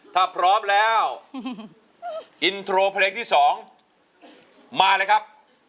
ถ้าพร้อมแล้วอินโทรเพลงที่๒มาเลยครับ